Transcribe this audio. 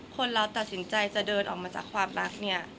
คนเราตัดสินใจจะเดินออกมาจากความรักเนี่ย